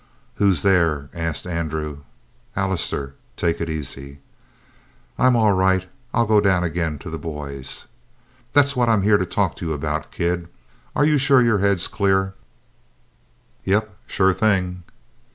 "Who's there?" asked Andrew. "Allister. Take it easy." "I'm all right. I'll go down again to the boys." "That's what I'm here to talk to you about, kid. Are you sure your head's clear?" "Yep. Sure thing."